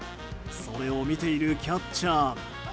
それを見ているキャッチャー。